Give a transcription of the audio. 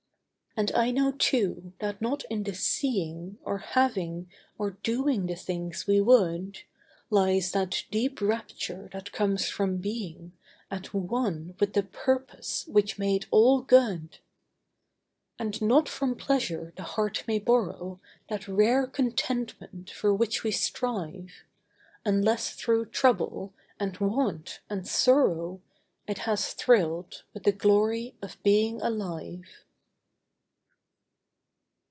And I know, too, that not in the seeing, Or having, or doing the things we would, Lies that deep rapture that comes from being At one with the Purpose which made all good. And not from Pleasure the heart may borrow That rare contentment for which we strive, Unless through trouble, and want, and sorrow It has thrilled with the glory of being alive.